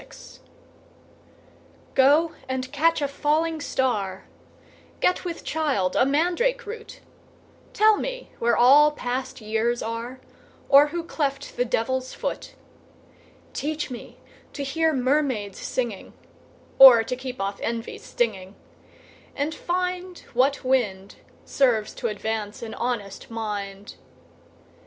Song GO and catch a falling star, Get with child a mandrake root, Tell me where all past years are, Or who cleft the Devil's foot; Teach me to hear mermaids singing, 5 Or to keep off envy's stinging, And find What wind Serves to advance an honest mind.